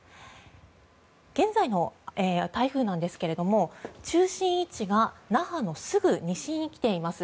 現在の台風なんですけれども中心位置が那覇のすぐ西に来ています。